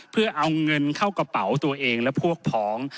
เพื่อเอาเงินเข้ากระเป๋าตัวเองและพวกพ้อง